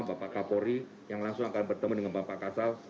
bapak kapolri yang langsung akan bertemu dengan bapak kasal